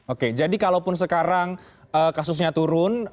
oke jadi kalaupun sekarang kasusnya turun